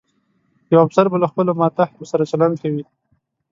یو افسر به له خپلو ماتحتو سره چلند کوي.